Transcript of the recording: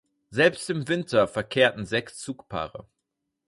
Selbst im Winter verkehrten sechs Zugpaare.